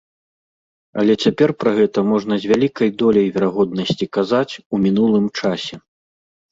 Але цяпер пра гэта можна з вялікай доляй верагоднасці казаць у мінулым часе.